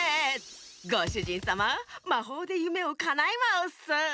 ごしゅじんさままほうでゆめをかなえまウッス！